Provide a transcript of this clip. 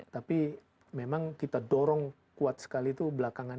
tapi memang kita dorong kuat sekali itu belakangan